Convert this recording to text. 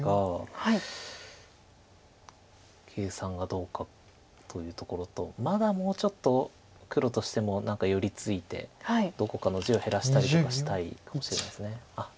計算がどうかというところとまだもうちょっと黒としても何か寄り付いてどこかの地を減らしたりとかしたいかもしれないです。